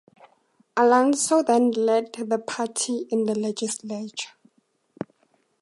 Alonso then led the party in the legislature.